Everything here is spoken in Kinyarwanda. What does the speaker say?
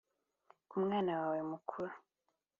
kumwana wawe mukuru